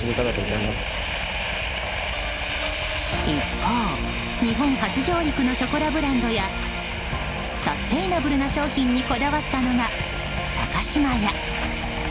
一方、日本初上陸のショコラブランドやサステイナブルな商品にこだわったのが高島屋。